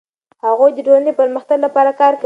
هغوی د ټولنې د پرمختګ لپاره کار کوي.